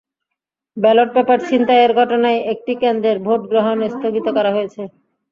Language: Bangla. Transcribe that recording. ব্যালট পেপার ছিনতাইয়ের ঘটনায় একটি কেন্দ্রের ভোট গ্রহণ স্থগিত করা হয়েছে।